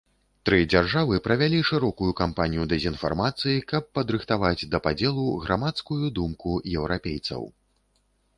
Тры дзяржавы правялі шырокую кампанію дэзінфармацыі, каб падрыхтаваць да падзелу грамадскую думку еўрапейцаў.